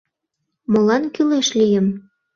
«Молан кӱлеш лийым?